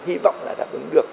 hy vọng là đã đứng được